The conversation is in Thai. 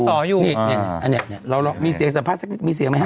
นี้นี่นี่เราลองลองลองมีเสียงสัมภาษณ์มีเสียงไหมฮะ